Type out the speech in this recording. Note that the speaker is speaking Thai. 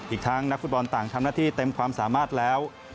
อีกทั้งนักฟุตบอลต่างทำหน้าที่เต็มความสามารถแล้ว